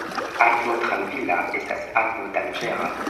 Akvo trankvila estas akvo danĝera.